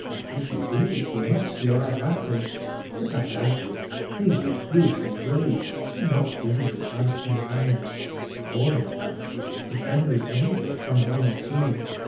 ' If you did, it were much to your advantage, but I doubt it. He is recluse and grave, not given to chance companions, or, in fact, to friend with any but some one or two.'